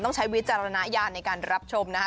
ต้องใช้วิฒิธิจารณายานในการรับชมนะคะ